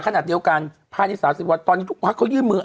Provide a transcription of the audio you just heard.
ขนาดเดียวกันภาคนี้สามสิบวันตอนนี้ทุกภาคเขายื่นมือ